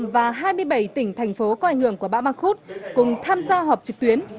và hai mươi bảy tỉnh thành phố có ảnh hưởng của bão mang khúc cùng tham gia họp trực tuyến